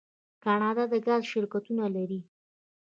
کاناډا د ګاز شرکتونه لري.